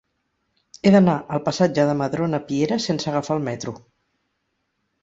He d'anar al passatge de Madrona Piera sense agafar el metro.